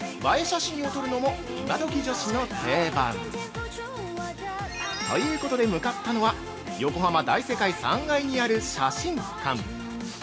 写真を撮るのもイマドキ女子の定番！ということで向かったのは、横浜大世界３階にある写真館。